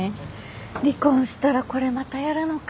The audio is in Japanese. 離婚したらこれまたやるのか。